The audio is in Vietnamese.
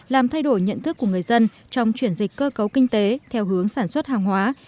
làm thay đổi nhận thức của người dân trong chuyển dịch cơ cấu kinh tế theo hướng sản xuất hàng hóa